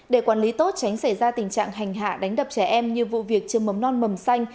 để quản lý tốt tránh xảy ra tình trạng hành hạ đánh đập trẻ em như vụ việc trường mầm non mầm xanh